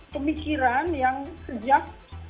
pemikiran yang sejak